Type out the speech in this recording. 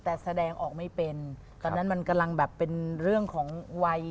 แต่แสดงออกไม่เป็นตอนนั้นมันกำลังแบบเป็นเรื่องของวัย